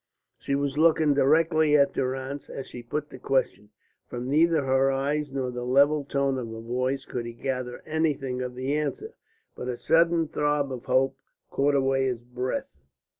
She was looking directly at Durrance as she put the question. From neither her eyes nor the level tone of her voice could he gather anything of the answer, but a sudden throb of hope caught away his breath.